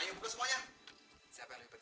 yah sudah berhasil